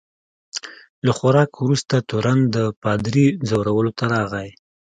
له خوراک وروسته تورن د پادري ځورولو ته راغی.